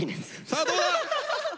さあどうだ！